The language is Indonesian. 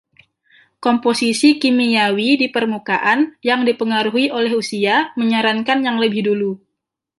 Komposisi kimiawi di permukaan, yang dipengaruhi oleh usia, menyarankan yang lebih dulu.